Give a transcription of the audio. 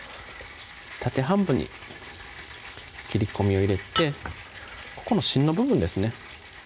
縦半分に切り込みを入れてここの芯の部分ですね